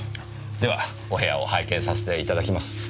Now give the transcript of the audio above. ではお部屋を拝見させて頂きます。